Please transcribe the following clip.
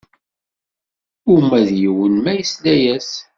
Uma d yiwen ma yesla-yas.